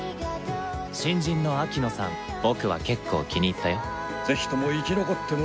新人の秋乃さん、僕は結構気に入ったよ。